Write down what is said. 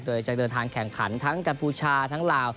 โดยจะเดินทางแข่งขันทั้งกัมพูชาทั้งลาว